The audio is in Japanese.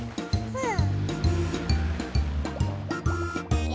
うん！